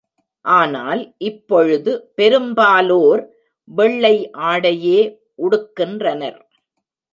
ஆனால் இப்பொழுது பெரும்பாலோர் வெள்ளை ஆடையே உடுக்கின்றனர்.